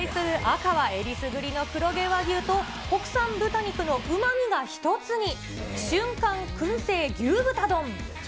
赤は、えりすぐりの黒毛和牛と国産豚肉のうまみが一つに。